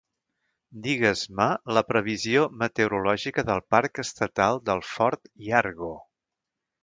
Digues-me la previsió meteorològica del Parc estatal de Fort Yargo